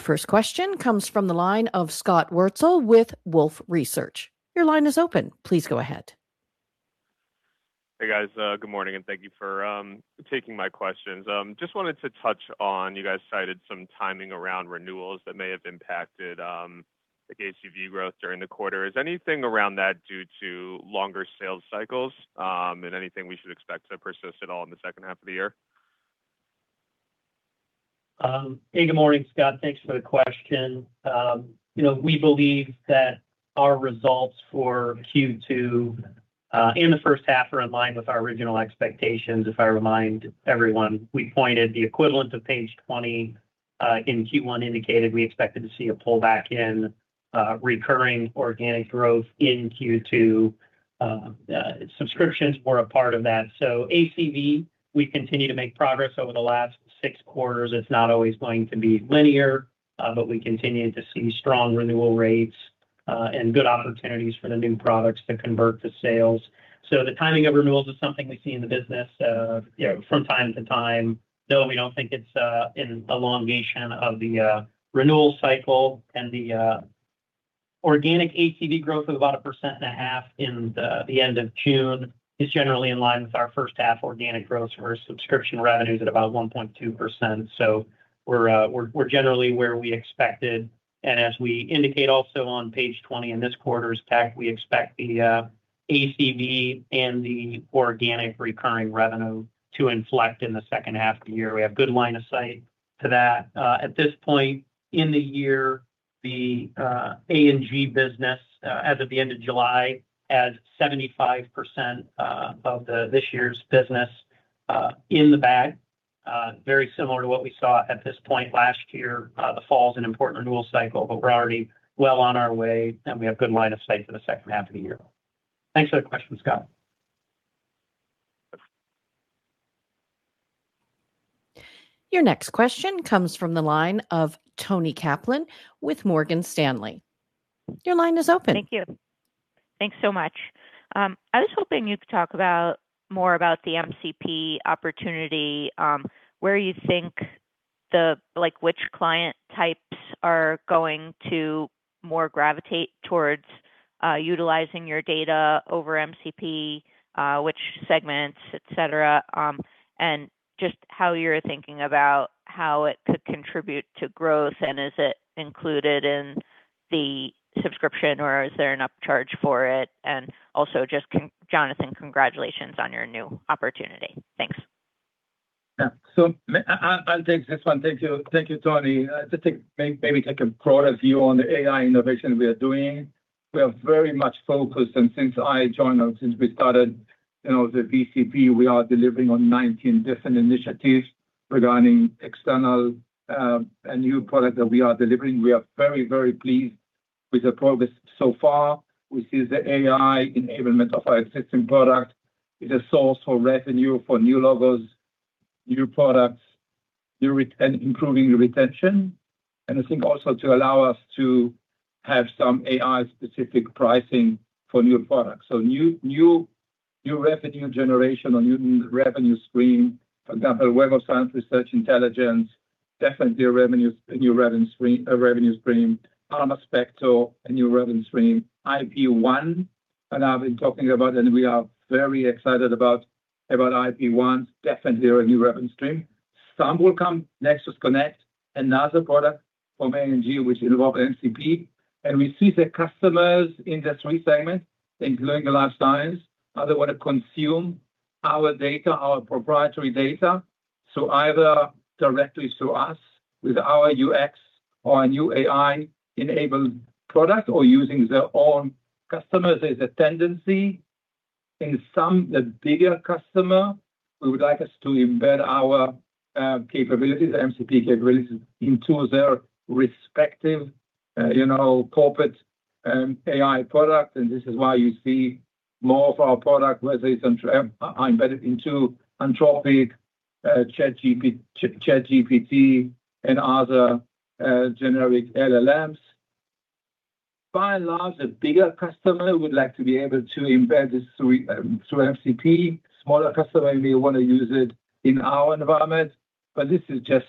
Your first question comes from the line of Scott Wurtzel with Wolfe Research. Your line is open. Please go ahead. Hey, guys. Good morning, and thank you for taking my questions. Just wanted to touch on, you guys cited some timing around renewals that may have impacted ACV growth during the quarter. Is anything around that due to longer sales cycles, and anything we should expect to persist at all in the second half of the year? Hey, good morning, Scott. Thanks for the question. We believe that our results for Q2 and the first half are in line with our original expectations. If I remind everyone, we pointed the equivalent of page 20 in Q1 indicated we expected to see a pullback in recurring organic growth in Q2. Subscriptions were a part of that. ACV, we continue to make progress over the last six quarters. It's not always going to be linear, but we continue to see strong renewal rates, and good opportunities for the new products to convert to sales. The timing of renewals is something we see in the business from time to time, though we don't think it's an elongation of the renewal cycle. The organic ACV growth of about a percent and a half in the end of June is generally in line with our first half organic growth for subscription revenues at about 1.2%. We're generally where we expected, and as we indicate also on page 20 in this quarter's tack, we expect the ACV and the organic recurring revenue to inflect in the second half of the year. We have good line of sight to that. At this point in the year, the A&G business as of the end of July has 75% of this year's business in the bag. Very similar to what we saw at this point last year. The fall's an important renewal cycle, but we're already well on our way, and we have good line of sight for the second half of the year. Thanks for the question, Scott. Your next question comes from the line of Toni Kaplan with Morgan Stanley. Your line is open. Thank you. Thanks so much. I was hoping you could talk more about the MCP opportunity, where you think which client types are going to more gravitate towards utilizing your data over MCP, which segments, et cetera. Just how you're thinking about how it could contribute to growth, and is it included in the subscription or is there an upcharge for it? Also just, Jonathan, congratulations on your new opportunity. Thanks. I'll take this one. Thank you, Toni. To maybe take a broader view on the AI innovation we are doing, we are very much focused, and since I joined or since we started the VCP, we are delivering on 19 different initiatives regarding external and new product that we are delivering. We are very pleased with the progress so far, which is the AI enablement of our existing product is a source of revenue for new logos, new products, and improving retention. I think also to allow us to have some AI-specific pricing for new products. New revenue generation or new revenue stream. For example, Web of Science Research Intelligence, definitely a new revenue stream. Harmaspecto, a new revenue stream. IPOne that I've been talking about, and we are very excited about IPOne, definitely a new revenue stream. Some will come, Nexus Connect, another product from A&G which involve MCP, and we see the customers industry segment including the life science, how they want to consume our data, our proprietary data. Either directly through us with our UX or a new AI-enabled product, or using their own customers. There's a tendency in some the bigger customer, who would like us to embed our capabilities, the MCP capabilities, into their respective corporate AI product. This is why you see more of our product, whether it's embedded into Anthropic, ChatGPT, and other generic LLMs. By and large, the bigger customer would like to be able to embed this through MCP. Smaller customer may want to use it in our environment, but this is just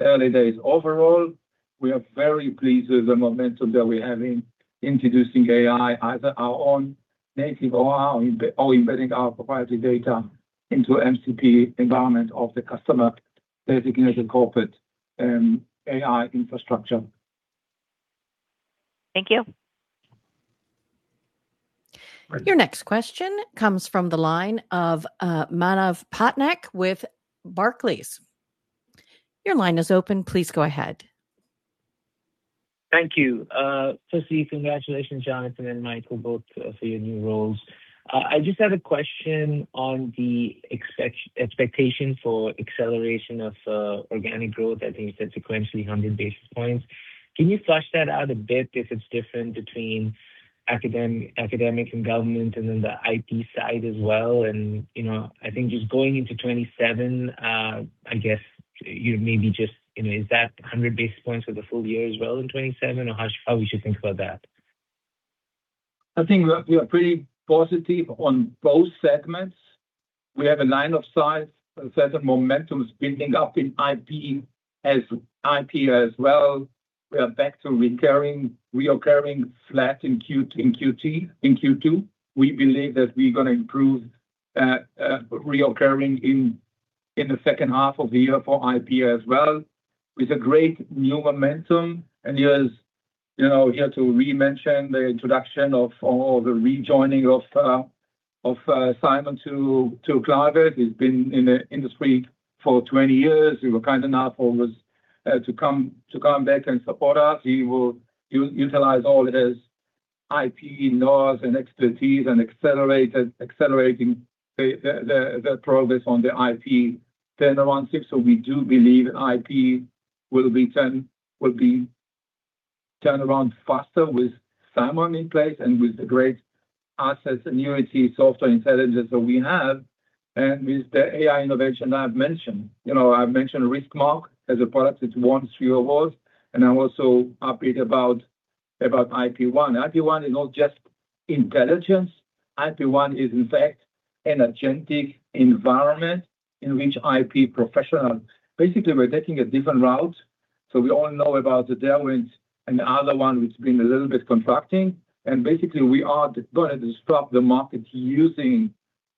early days. Overall, we are very pleased with the momentum that we have in introducing AI, either our own native or embedding our proprietary data into MCP environment of the customer designation corporate AI infrastructure. Thank you. Your next question comes from the line of Manav Patnaik with Barclays. Your line is open. Please go ahead. Thank you. First, congratulations, Jonathan and Mike, both, for your new roles. I just had a question on the expectation for acceleration of organic growth. I think you said sequentially 100 basis points. Can you flesh that out a bit if it's different between academic and government and then the IP side as well? I think just going into 2027, I guess maybe just is that 100 basis points for the full year as well in 2027, or how we should think about that? I think we are pretty positive on both segments. We have a line of sight that the momentum is building up in IP as well. We are back to recurring flat in Q2. We believe that we're going to improve recurring in the second half of the year for IP as well, with a great new momentum. Here to re-mention the introduction of, or the rejoining of Simon to Clarivate. He's been in the industry for 20 years. He was kind enough to come back and support us. He will utilize all his IP knowledge and expertise in accelerating the progress on the IP turnaround. We do believe IP will be turned around faster with Simon in place, and with the great assets, annuity, software intelligence that we have, and with the AI innovation I've mentioned. I've mentioned RiskMark as a product that won three awards. I'm also upbeat about IPOne. IPOne is not just intelligence. IPOne is in fact an agentic environment in which IP professional. Basically, we're taking a different route. We all know about the data winds and the other one, which has been a little bit contracting. Basically, we are going to disrupt the market using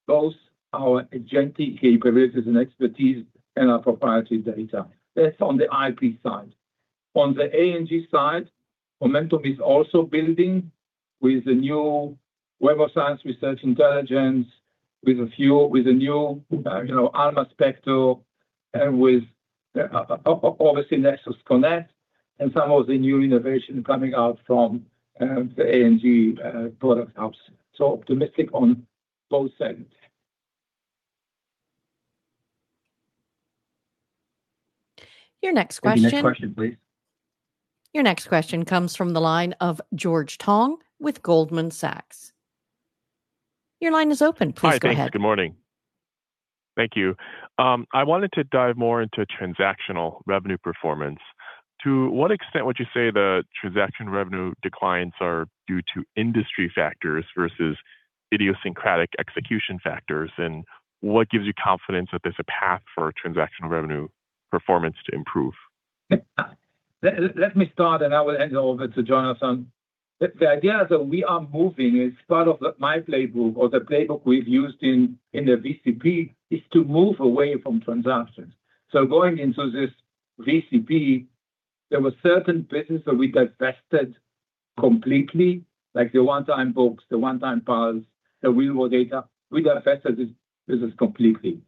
both our agentic capabilities and expertise and our proprietary data. That's on the IP side. On the A&G side, momentum is also building with the new Web of Science Research Intelligence, with the new Harmaspecto, and with obviously Nexus Connect, and some of the new innovation coming out from the A&G product hubs. Optimistic on both ends. Your next question. Next question, please. Your next question comes from the line of George Tong with Goldman Sachs. Your line is open. Please go ahead. Hi, thank you. Good morning. Thank you. I wanted to dive more into transactional revenue performance. To what extent would you say the transaction revenue declines are due to industry factors versus idiosyncratic execution factors? What gives you confidence that there's a path for transactional revenue performance to improve? Let me start, and I will hand over to Jonathan. The idea that we are moving is part of my playbook or the playbook we've used in the VCP, is to move away from transactions. Going into this VCP, there were certain businesses that we divested completely, like the one-time books, the one-time files, the real-world data. We divested this business completely.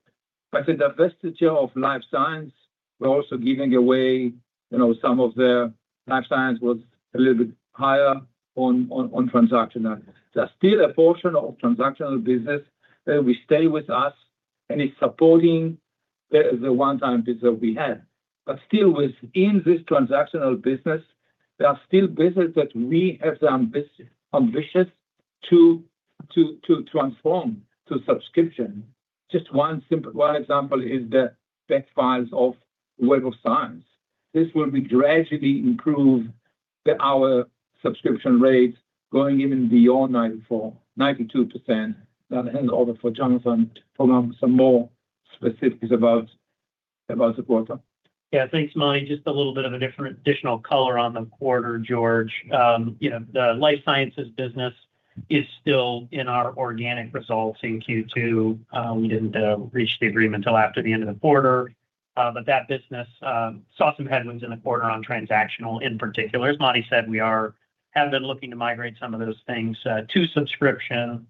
The divestiture of life science, we're also giving away some of the life science was a little bit higher on transactional. There's still a portion of transactional business that will stay with us, and it's supporting the one-time business we had. Still within this transactional business, there are still businesses that we have been ambitious to transform to subscription. Just one example is the back files of Web of Science. This will be gradually improved, our subscription rates going even beyond 92%. I'll hand it over for Jonathan to provide some more specifics about the quarter. Yeah, thanks, Matti. Just a little bit of additional color on the quarter, George. The life sciences business is still in our organic results in Q2. We didn't reach the agreement until after the end of the quarter. That business saw some headwinds in the quarter on transactional in particular. As Matti said, we have been looking to migrate some of those things to subscription.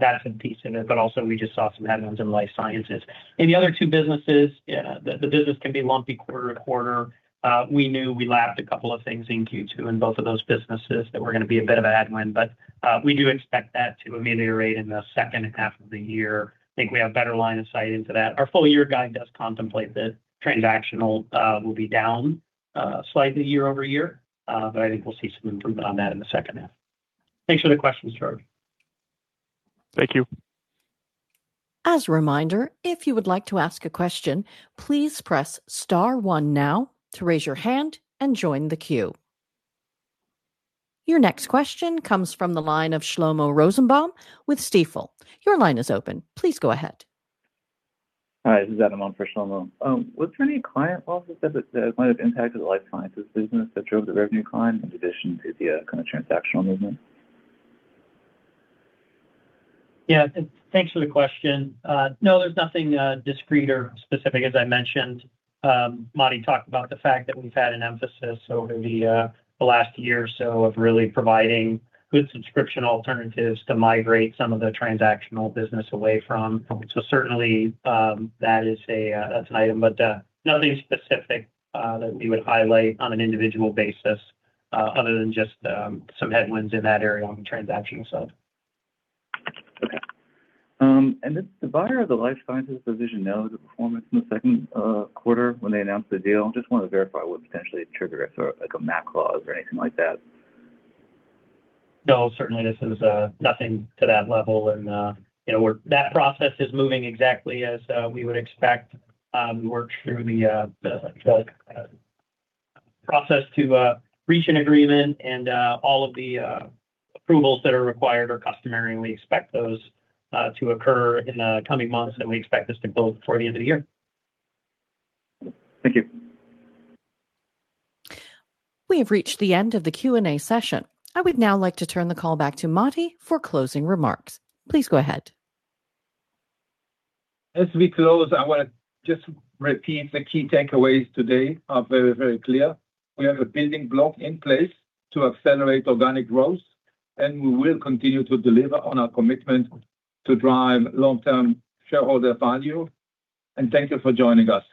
That's a piece in it, but also we just saw some headwinds in life sciences. In the other two businesses, the business can be lumpy quarter to quarter. We knew we lapped a couple of things in Q2 in both of those businesses that were going to be a bit of a headwind, but we do expect that to ameliorate in the second half of the year. I think we have better line of sight into that. Our full-year guide does contemplate that transactional will be down slightly year-over-year, but I think we'll see some improvement on that in the second half. Thanks for the question, George. Thank you. As a reminder, if you would like to ask a question, please press star one now to raise your hand and join the queue. Your next question comes from the line of Shlomo Rosenbaum with Stifel. Your line is open. Please go ahead. Hi, this is Adam on for Shlomo. Was there any client losses that might have impacted the life sciences business that drove the revenue decline in addition to the transactional movement? Yeah. Thanks for the question. No, there's nothing discrete or specific. As I mentioned, Matti talked about the fact that we've had an emphasis over the last year or so of really providing good subscription alternatives to migrate some of the transactional business away from. Certainly, that's an item, but nothing specific that we would highlight on an individual basis other than just some headwinds in that area on the transactional side. Okay. Does the buyer of the Life Sciences division know the performance in the second quarter when they announced the deal? I just want to verify it wouldn't potentially trigger a MAC clause or anything like that. No, certainly this is nothing to that level. That process is moving exactly as we would expect. We work through the process to reach an agreement, all of the approvals that are required are customary, we expect those to occur in the coming months, we expect this to close before the end of the year. Thank you. We have reached the end of the Q&A session. I would now like to turn the call back to Matti for closing remarks. Please go ahead. As we close, I want to just repeat the key takeaways today are very clear. We have a building block in place to accelerate organic growth, and we will continue to deliver on our commitment to drive long-term shareholder value. Thank you for joining us.